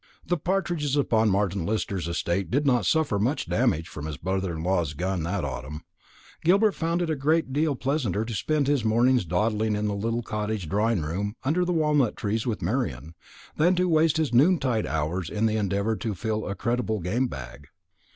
The partridges upon Martin Lister's estate did not suffer much damage from his brother in law's gun that autumn. Gilbert found it a great deal pleasanter to spend his mornings dawdling in the little cottage drawing room or under the walnut trees with Marian, than to waste his noontide hours in the endeavour to fill a creditable game bag.